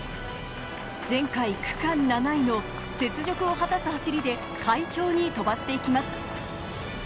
前回区間７位の雪辱を果たす走りで快調に飛ばしていきます。